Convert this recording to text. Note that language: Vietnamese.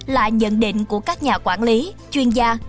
là nhận định của các nhà quản lý chuyên gia